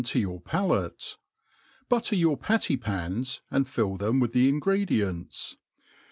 to your, pz^ lace; butter your patty pans^ and fill them with the ingredients'.